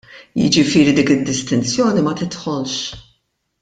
Jiġifieri dik id-distinzjoni ma tidħolx.